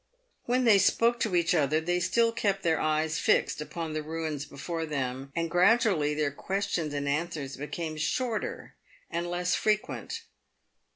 "When they spoke to each other, they still kept their eyes fixed upon the ruins before them, and gradually their questions and answers became shorter and less frequent.